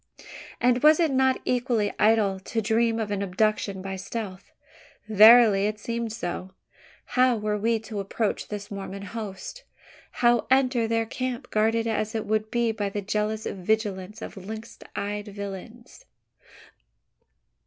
And was it not equally idle to dream of an abduction by stealth? Verily, it seemed so. How were we to approach this Mormon host? How enter their camp, guarded as it would be by the jealous vigilance of lynx eyed villains?